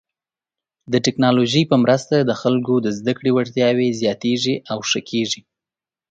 د ټکنالوژۍ په مرسته د خلکو د زده کړې وړتیاوې زیاتېږي او ښه کیږي.